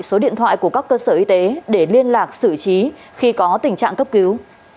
số điện thoại của các cơ sở y tế để liên lạc xử trí khi có tình trạng cấp cứu